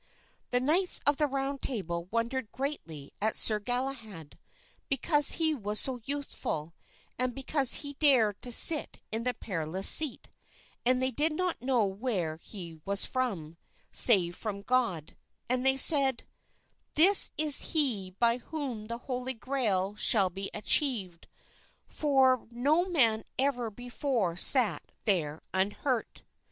The knights of the Round Table wondered greatly at Sir Galahad, because he was so youthful, and because he dared to sit in the Perilous Seat; and they did not know where he was from, save from God, and they said, "This is he by whom the Holy Grail shall be achieved, for no man ever before sat there unhurt."